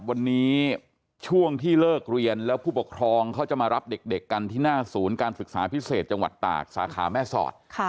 วันนี้ช่วงที่เลิกเรียนแล้วผู้ปกครองเขาจะมารับเด็กกันที่หน้าศูนย์การศึกษาพิเศษจังหวัดตากสาขาแม่สอด